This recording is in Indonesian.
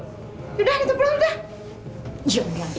udah gitu pulang udah